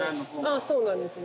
あっそうなんですね